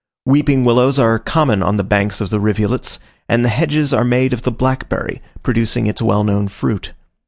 Weeping willows are common on the banks of the rivulets, and the hedges are made of the blackberry, producing its well known fruit.